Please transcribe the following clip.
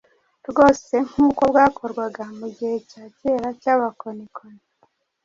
rwose nk’uko bwakorwaga mu gihe cya kera cy’abakonikoni.